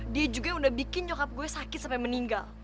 dia juga udah bikin nyokap gue sakit sampe meninggal